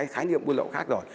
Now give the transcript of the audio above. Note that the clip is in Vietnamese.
khái niệm buôn lậu khác rồi